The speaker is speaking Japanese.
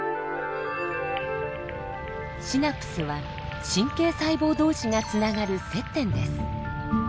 シナプスは神経細胞同士がつながる接点です。